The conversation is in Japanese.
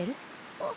あっ。